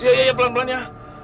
iya pelan pelan ya